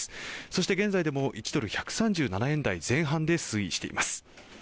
そして現在でも１ドル１３７円台前半で推移しています